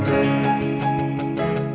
untuk yang baru